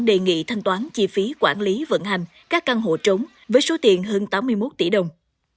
đề nghị thanh toán chi phí quản lý vận hành các căn hộ trống với số tiền hơn tám mươi một tỷ đồng